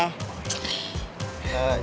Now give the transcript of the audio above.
siap banget ya